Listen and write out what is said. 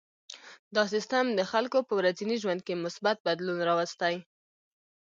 دا سیستم د خلکو په ورځني ژوند کې مثبت بدلون راوستی.